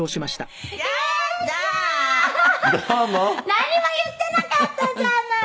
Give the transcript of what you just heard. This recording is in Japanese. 何も言ってなかったじゃない